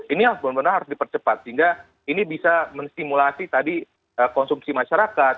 ini harus benar benar harus dipercepat sehingga ini bisa menstimulasi tadi konsumsi masyarakat